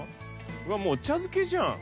うわっもうお茶漬けじゃん。